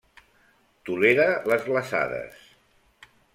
Tolera les glaçades.